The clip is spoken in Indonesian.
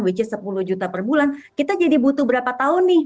which is sepuluh juta per bulan kita jadi butuh berapa tahun nih